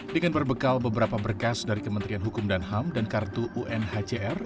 dengan berbekal beberapa berkas dari kementerian hukum dan ham dan kartu unhcr